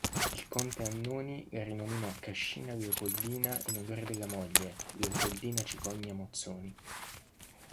Il conte Annoni la rinominò Cascina Leopoldina in onore della moglie, Leopoldina Cicogna-Mozzoni.